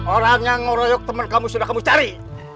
orang yang ngeroyok teman kamu sudah kamu cari